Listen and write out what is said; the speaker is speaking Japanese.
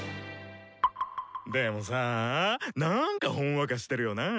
でもさなんかほんわかしてるよなあ